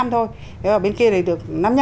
bốn năm thôi bên kia được năm năm